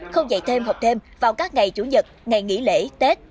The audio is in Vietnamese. không dạy thêm học thêm vào các ngày chủ nhật ngày nghỉ lễ tết